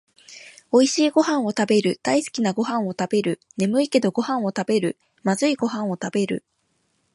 おいしいごはんをたべる、だいすきなごはんをたべる、ねむいけどごはんをたべる、まずいごはんをたべる